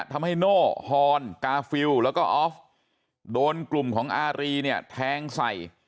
ทำให้โน่ฮอนกาฟิลแล้วก็ออฟโดนกลุ่มของอารีเนี่ยแทงใส่